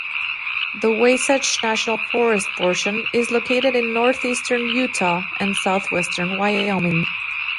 The Wasatch National Forest portion is located in northeastern Utah and southwestern Wyoming.